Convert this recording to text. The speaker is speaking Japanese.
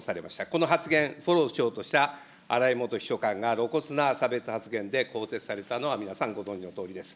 この発言、フォローしようとしたが露骨な差別発言で更迭されたのは皆さんご存じのとおりです。